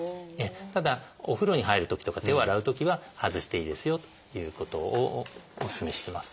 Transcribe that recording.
ただお風呂に入るときとか手を洗うときは外していいですよということをおすすめしてます。